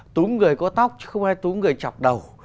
túm người có tóc chứ không ai túm người chọc đầu